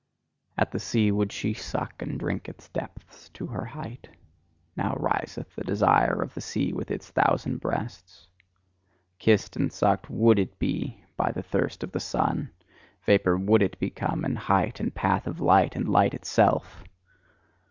At the sea would she suck, and drink its depths to her height: now riseth the desire of the sea with its thousand breasts. Kissed and sucked WOULD it be by the thirst of the sun; vapour WOULD it become, and height, and path of light, and light itself!